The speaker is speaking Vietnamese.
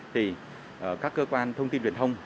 thì các cơ quan thông tin truyền thông